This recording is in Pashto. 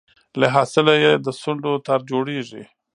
له حاصله یې د سونډو تار جوړیږي